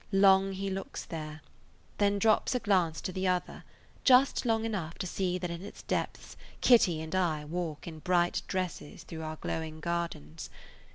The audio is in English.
Long he looks there; then drops a glance to the other, just long enough to see that in its depths Kitty and I walk in bright dresses through our glowing gardens.